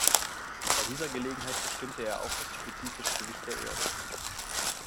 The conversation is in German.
Bei dieser Gelegenheit bestimmte er auch das spezifische Gewicht der Erde.